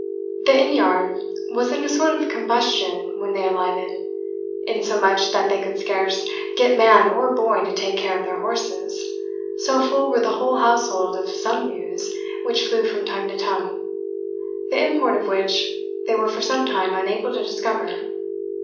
The inn yard was in a sort of combustion when they alighted; insomuch, that they could scarce get man or boy to take care of their horses, so full were the whole household of some news which flew from tongue to tongue, the import of which they were for some time unable to discover.